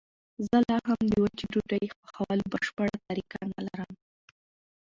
زه لا هم د وچې ډوډۍ پخولو بشپړه طریقه نه لرم.